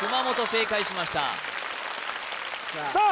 正解しましたさあ